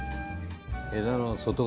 枝の外側。